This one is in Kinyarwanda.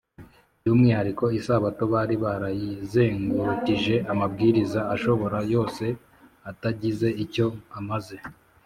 . By’umwihariko, Isabato bari barayizengurukije amabwiriza ashoboka yose atagize icyo amaze